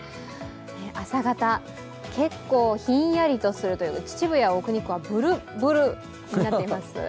朝方、結構、ひんやりとするというか秩父や奥日光はブルブルになっています。